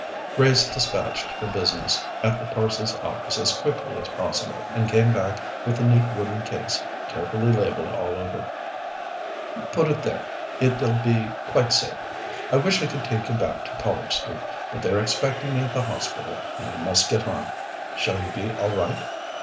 Grace despatched her business at the parcels office as quickly as possible, and came back with the neat wooden case carefully labelled all over. "Put it there; it'll be quite safe. I wish I could take you back to Pollard Street, but they're expecting me at the Hospital and I must get on. Shall you be all right?"